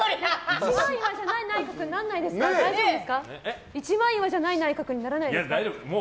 一枚岩にならない内閣にならないですか？